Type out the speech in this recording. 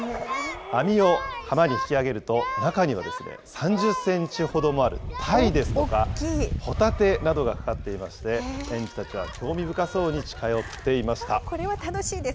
網を浜に引き上げると中には３０センチほどもあるタイですとか、ホタテなどがかかっていまして、園児たちは興味深そうに近寄ってこれは楽しいです。